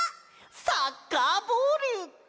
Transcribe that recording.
サッカーボール！